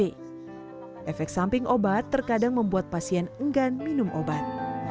efek samping obat terkadang membuat pasien enggan minum obat